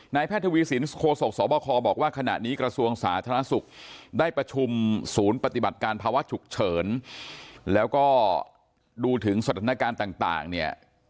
แพทย์ทวีสินโคศกสบคบอกว่าขณะนี้กระทรวงสาธารณสุขได้ประชุมศูนย์ปฏิบัติการภาวะฉุกเฉินแล้วก็ดูถึงสถานการณ์ต่างเนี่ย